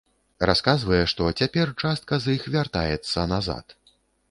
Расказвае, што цяпер частка з іх вяртаецца назад.